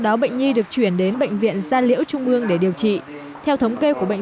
đó bệnh nhi được chuyển đến bệnh viện gia liễu trung ương để điều trị theo thống kê của bệnh